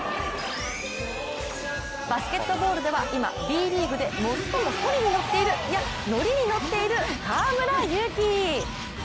バスケットボールでは今、Ｂリーグで最もソリに乗っているいや、ノリに乗っている河村勇輝。